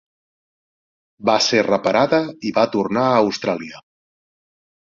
Va ser reparada i va tornar a Austràlia.